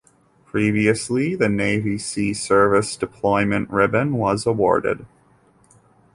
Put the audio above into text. Previously, the Navy Sea Service Deployment Ribbon was awarded.